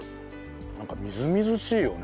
なんかみずみずしいよね。